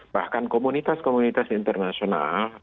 bahkan komunitas komunitas internasional